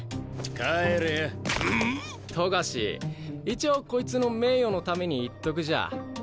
冨樫一応こいつの名誉のために言っとくじゃ。